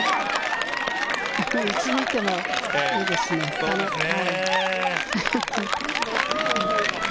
いつ見てもいいですね。